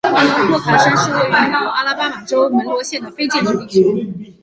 沃卡申是一个位于美国阿拉巴马州门罗县的非建制地区。